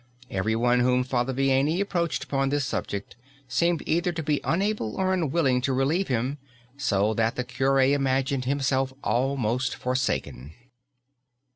Everyone whom Father Vianney approached upon this subject seemed either to be unable or unwilling to relieve him, so that the cure imagined himself almost forsaken.